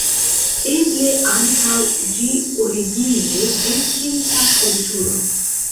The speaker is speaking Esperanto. Eble ankaŭ ĝi originis en kelta kulturo.